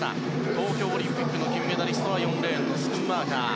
東京オリンピックの銀メダリストは４レーンのスクンマーカー。